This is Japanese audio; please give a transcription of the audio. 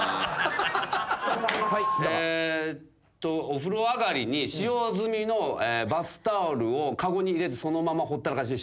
お風呂上がりに使用済みのバスタオルを籠に入れずそのままほったらかしにしてる人。